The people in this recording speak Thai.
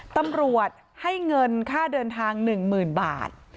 ตำรวจให้เงินค่าเดินทาง๑๐๐๐บาท